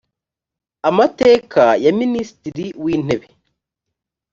amateka ya minisitiri w intebe